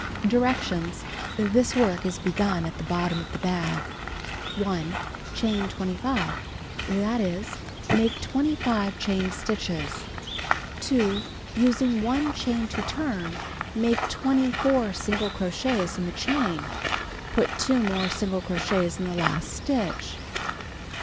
Directions: This work is begun at the bottom of the bag. 1. Chain 25; that is, make 25 chain stitches. 2. Using 1 chain to turn, make 24 single crochets in the chain. Put 2 more single crochets in the last stitch.